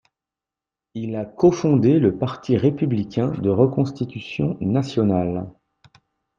Il a cofondé le Parti républicain de reconstitution nationale.